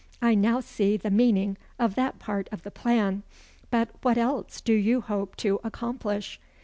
"I now see the meaning of that part of the plan. But what else do you hope to accomplish?"